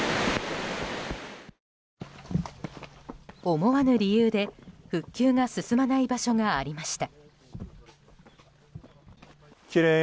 思わぬ理由で、復旧が進まない場所がありました。